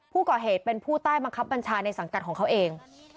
ผู้ก่อเหตุเป็นผู้ใต้บังคับบัญชาในสังกัดของเขาเอง